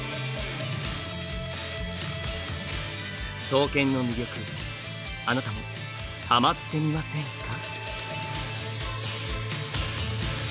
刀剣の魅力あなたもハマってみませんか？